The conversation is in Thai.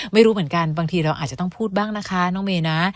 ไม่รู้เหมือนกันบางทีเราอาจจะต้องพูดบ้างนะคะน้องเมย์นะ